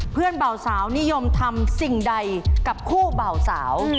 เบาสาวนิยมทำสิ่งใดกับคู่เบาสาว